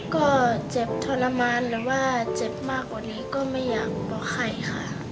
ก็เจ็บทรมานหรือว่าเจ็บมากกว่านี้ก็ไม่อยากบอกให้ค่ะ